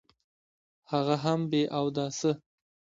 هغه هم بې اوداسه.